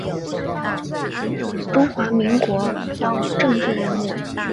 中华民国政治人物。